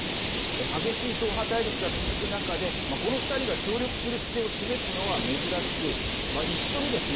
激しい党派対立が続く中でこの２人が協力する姿勢を示すのは珍しく一緒にですね